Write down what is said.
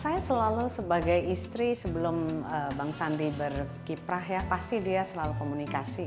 saya selalu sebagai istri sebelum bang sandi berkiprah ya pasti dia selalu komunikasi